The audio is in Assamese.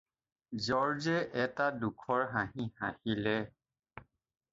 জৰ্জে এটা দুখৰ হাঁহি হাঁহিলে।